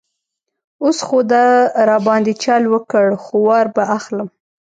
اوس خو ده را باندې چل وکړ، خو وار به اخلم.